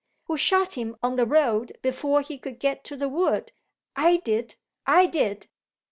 Who shot him on the road, before he could get to the wood? I did! I did!